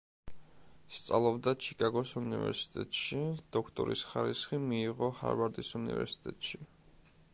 სწავლობდა ჩიკაგოს უნივერსიტეტში, დოქტორის ხარისხი მიიღო ჰარვარდის უნივერსიტეტში.